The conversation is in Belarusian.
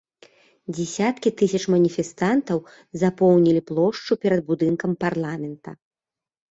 Дзесяткі тысяч маніфестантаў запоўнілі плошчу перад будынкам парламента.